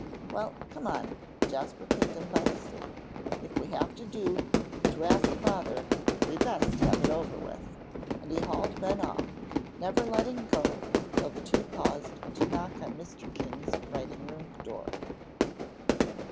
"Well, come on," Jasper picked him by the sleeve, "if we have it to do, to ask Father, we best have it over with;" and he hauled Ben off, never letting go till the two paused to knock on Mr. King's writing room door.